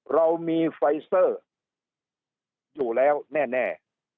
เรามีไฟเซอร์อยู่แล้วแน่